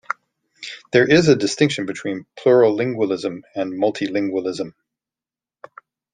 There is a distinction between plurilingualism and multilingualism.